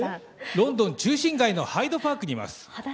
ロンドン中心街のハイド・パークにいます。